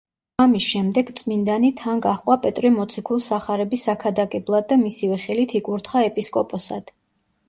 ამის შემდეგ წმინდანი თან გაჰყვა პეტრე მოციქულს სახარების საქადაგებლად და მისივე ხელით იკურთხა ეპისკოპოსად.